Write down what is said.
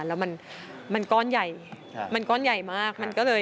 แล้วมันก้อนใหญ่มันก้อนใหญ่มาก